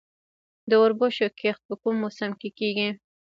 د وربشو کښت په کوم موسم کې کیږي؟